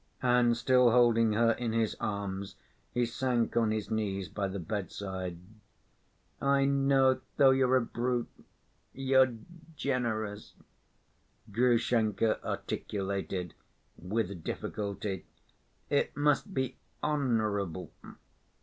And still holding her in his arms, he sank on his knees by the bedside. "I know, though you're a brute, you're generous," Grushenka articulated with difficulty. "It must be honorable